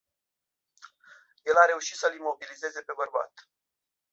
El a reușit să-l imobilizeze pe bărbat.